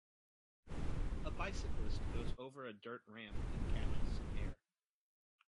A bicyclist goes over a dirt ramp and catches some air